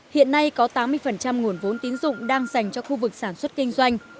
hiện nay có tám mươi nguồn vốn tín dụng đang dành cho khu vực sản xuất kinh doanh